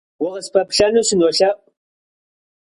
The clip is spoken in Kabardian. Vukhıspeplhenu sınolhe'u.